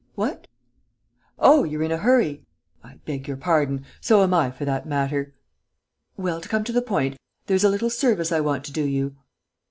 What?... Oh, you're in a hurry? I beg your pardon!... So am I, for that matter.... Well, to come to the point, there's a little service I want to do you....